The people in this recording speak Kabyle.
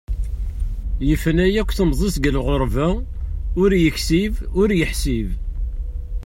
Yefna akk temẓi-s deg lɣerba ur yeksib ur yeḥsib.